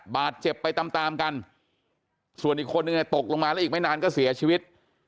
บาดเจ็บไปตามตามกันส่วนอีกคนนึงตกลงมาแล้วอีกไม่นานก็เสียชีวิต